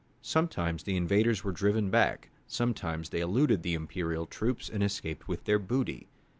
Sometimes the invaders were driven back, sometimes they eluded the imperial troops and escaped with their booty.